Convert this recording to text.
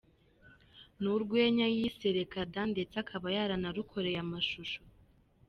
Ni urwenya yise ‘Reka da!’ ndetse akaba yanarukoreye amashusho.